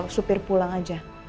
supir pulang aja